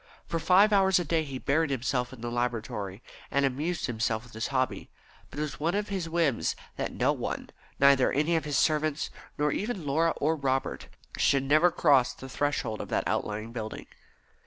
For five hours a day he buried himself in the laboratory and amused himself with his hobby, but it was one of his whims that no one, neither any of his servants, nor even Laura or Robert, should ever cross the threshold of that outlying building.